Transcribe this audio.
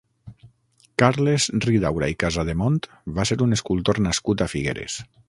Carles Ridaura i Casademont va ser un escultor nascut a Figueres.